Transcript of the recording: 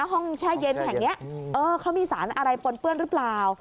แช่เย็นแห่งนี้เขามีสารอะไรปนเปื้อนหรือเปล่า